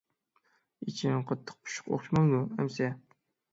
ئىچىڭ قاتتىق پۇشۇق ئوخشىمامدۇ ئەمىسە.